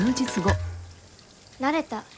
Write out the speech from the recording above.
慣れた。